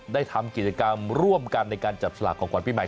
ได้ทำกิจกรรมร่วมกันในการจับสลากของขวัญปีใหม่